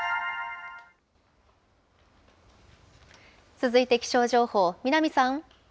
続いて気象情報、南さん。